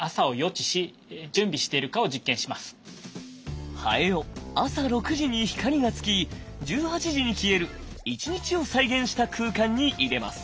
ハエを朝６時に光がつき１８時に消える１日を再現した空間に入れます。